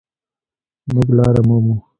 مونږ لاره مومو